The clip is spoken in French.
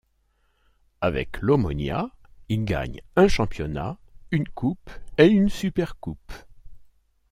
Avec l'Omonia, il gagne un championnat, une coupe et une supercoupe.